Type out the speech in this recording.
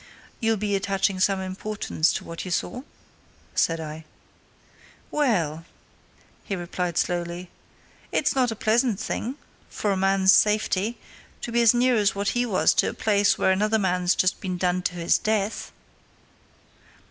"You'll be attaching some importance to what you saw?" said I. "Well," he replied slowly, "it's not a pleasant thing for a man's safety to be as near as what he was to a place where another man's just been done to his death."